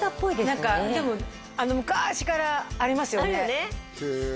何かでも昔からありますよねあるよねへえ